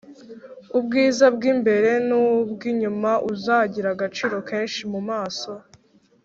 ubwiza bw’imbere n’ubw inyuma uzagira agaciro kenshi mu maso